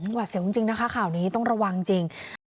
หวัดเสียวจริงนะคะข่าวนี้ต้องระวังจริง